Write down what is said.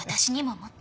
もっと。